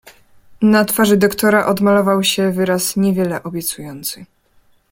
"Na twarzy doktora odmalował się wyraz niewiele obiecujący."